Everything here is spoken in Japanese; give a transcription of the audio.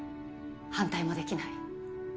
反対もできない